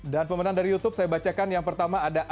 dan pemenang dari youtube saya bacakan yang pertama ada abang